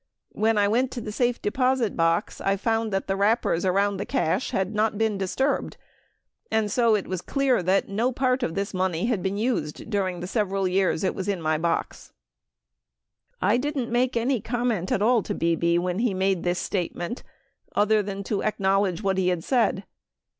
When I went into the safe deposit box, I found that the wrappers around the cash had not been disturbed, and so it was clear that no part of this money had been used during the several years it was in my box." I didn't make any comment at. all to Bebe when he made this statement other than to acknowledge what he had said.